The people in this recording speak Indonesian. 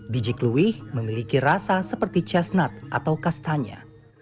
biji kluih memiliki rasa seperti cessnat atau kastanya